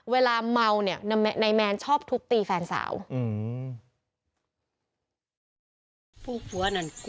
เวลาเมาเนี่ยนายแมนชอบทุบตีแฟนสาวอืม